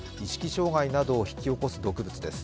障害などを引き起こす毒物です。